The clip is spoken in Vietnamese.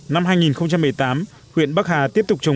năm hai nghìn một mươi tám huyện bắc hà tiếp tục trồng